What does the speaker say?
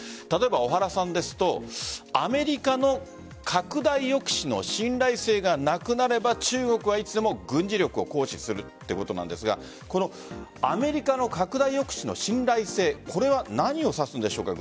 小原さんですとアメリカの拡大抑止の信頼性がなくなれば中国はいつでも軍事力を行使するということなんですがこのアメリカの拡大抑止の信頼性は何を指すんでしょうか？